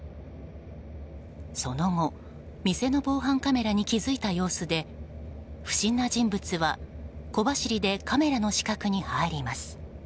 その後、店の防犯カメラに気づいた様子で不審な人物は、小走りでカメラの死角に入ります。